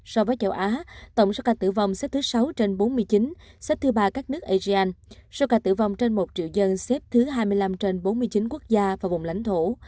so với châu á tổng số ca tử vong xếp thứ sáu trên bốn mươi chín xếp thứ ba các nước asean số ca tử vong trên một triệu dân xếp thứ hai mươi năm trên bốn mươi chín quốc gia và vùng lãnh thổ